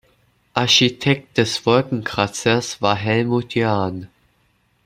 Architekt des Wolkenkratzers war Helmut Jahn.